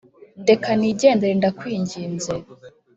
ndeka nigendere ndakwinginze .